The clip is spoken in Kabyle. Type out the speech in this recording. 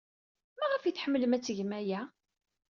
Maɣef ay tḥemmlem ad tgem aya?